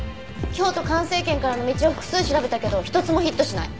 京都環生研からの道を複数調べたけど一つもヒットしない。